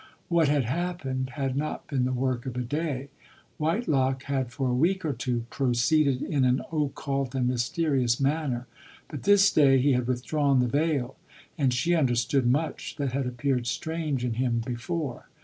What had happened, had not been the work of a day ; Whitelock had for a week or two proceeded in an occult and myste rious manner : but this day he had withdrawn the veil ; and she understood much that had appeared strange in him before.